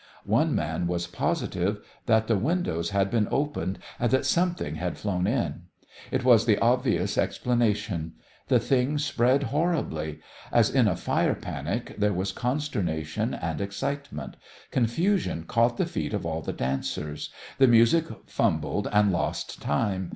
One man was positive that the windows had been opened and that something had flown in. It was the obvious explanation. The thing spread horribly. As in a fire panic, there was consternation and excitement. Confusion caught the feet of all the dancers. The music fumbled and lost time.